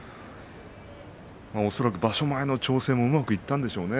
恐らく場所前の調整もうまくいったんでしょうね。